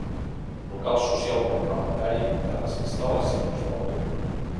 Local social complementari de les instal·lacions del club.